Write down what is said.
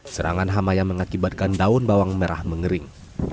serangan hama yang mengakibatkan daun bawang merah mengering